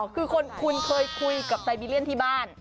คือคุณเคยคุยกับไซบีเรียนที่บ้าน